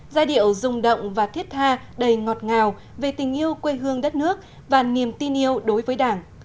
giai điệu rùng động và thiết tha đầy ngọt ngào về tình yêu quê hương đất nước và niềm tin yêu đối với đảng